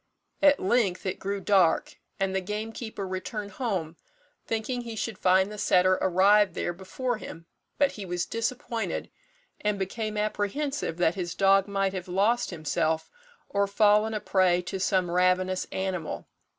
At length it grew dark, and the gamekeeper returned home, thinking he should find the setter arrived there before him; but he was disappointed, and became apprehensive that his dog might have lost himself, or fallen a prey to some ravenous animal.